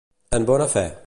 En bona fe.